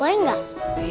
iya boleh gak